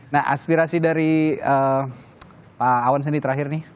nah aspirasi dari pak awan sendiri terakhir nih